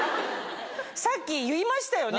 さっき言いましたよね。